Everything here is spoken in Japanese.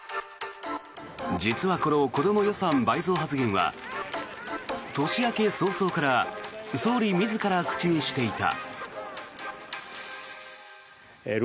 実は、この子ども予算倍増発言は年明け早々から総理自ら口にしていた。